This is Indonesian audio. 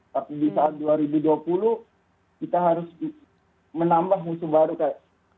tapi di saat dua ribu dua puluh kita harus menambah musuh baru kayak